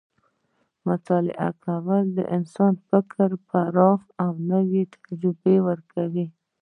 مطالعه کول د انسان فکر پراخوي او نوې تجربې ورکوي.